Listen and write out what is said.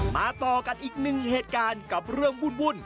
ต่อกันอีกหนึ่งเหตุการณ์กับเรื่องวุ่น